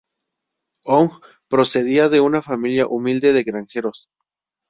Hong procedía de una familia humilde de granjeros.